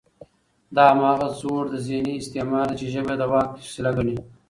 دا هماغه زوړ ذهني استعمار دی، چې ژبه د واک وسیله ګڼي